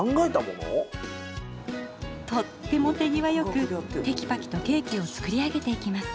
とっても手際よくテキパキとケーキを作り上げていきます。